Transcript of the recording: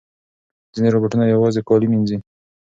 ځینې روباټونه یوازې کالي مینځي.